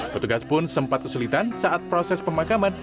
petugas pun sempat kesulitan saat proses pemakaman